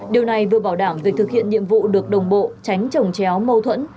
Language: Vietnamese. điều này vừa bảo đảm việc thực hiện nhiệm vụ được đồng bộ tránh trồng chéo mâu thuẫn